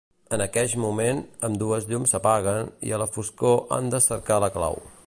En aqueix moment, ambdues llums s'apaguen i a la foscor han de cercar la clau.